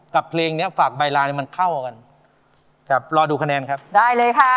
กับเพลงเนี้ยฝากใบลานเนี่ยมันเข้ากันครับรอดูคะแนนครับได้เลยค่ะ